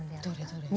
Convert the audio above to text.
どれどれ？